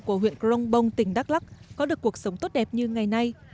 của huyện cronbong tỉnh đắk lắc có được cuộc sống tốt đẹp như ngày nay